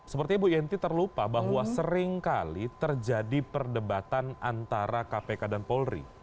sepertinya bu yenti terlupa bahwa seringkali terjadi perdebatan antara kpk dan polri